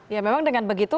ya memang dengan begitu